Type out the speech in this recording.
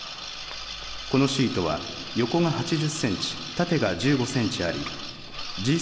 このシートは横が４０センチ縦が１５センチありＧ７